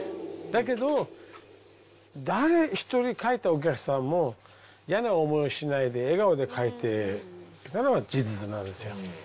だけど、誰一人帰ったお客さんも嫌な思いしないで、笑顔で帰ったのは事実なんですよ。